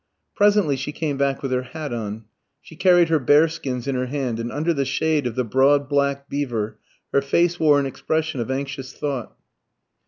Presently she came back with her hat on. She carried her bearskins in her hand, and under the shade of the broad black beaver her face wore an expression of anxious thought.